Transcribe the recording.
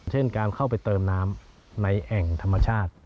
เช่นการเข้าไปเติมน้ำในแอ่งธรรมชาติ